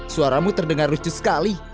suaramu terdengar lucu sekali